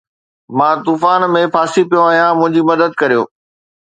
مان طوفان ۾ ڦاسي پيو آهيان منهنجي مدد ڪريو